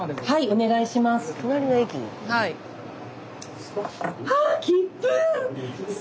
お願いします。